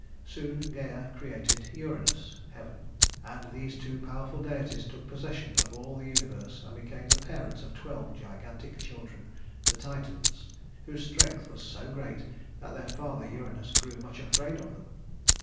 Soon Gæa created Uranus (Heaven), and these two powerful deities took possession of all the universe, and became the parents of twelve gigantic children, the Titans, whose strength was so great that their father Uranus grew much afraid of them.